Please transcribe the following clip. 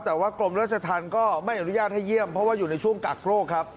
แต่ว่ากรมราชธรรมก็ไม่อนุญาตให้เยี่ยมเพราะว่าอยู่ในช่วงกักโรคครับ